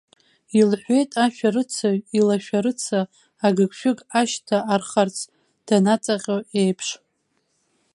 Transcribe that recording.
Илҳәеит, ашәарыцаҩ илашәарыца агыгшәыг ашьҭа архарц, данаҵаҟьо еиԥш.